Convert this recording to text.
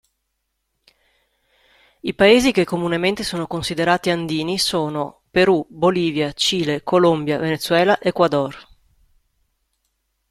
I Paesi che comunemente sono considerati andini sono: Perù, Bolivia, Cile, Colombia, Venezuela, Ecuador.